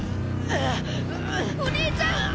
お兄ちゃん！